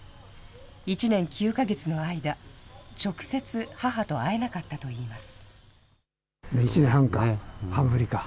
１年９か月の間、直接、母と会えなかったといいます。